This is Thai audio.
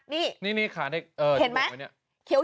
นี่ขาเด็กเห็นไหม